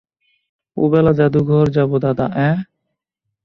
ওবেলা জাদুঘর যাব দাদা, অ্যাঁ?